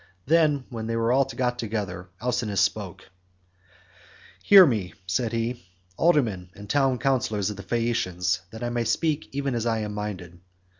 Then, when they were got together, Alcinous spoke: "Hear me," said he, "aldermen and town councillors of the Phaeacians, that I may speak even as I am minded.